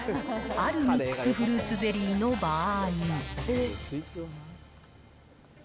あるミックスフルーツゼリーの場合。